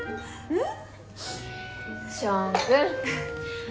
うん！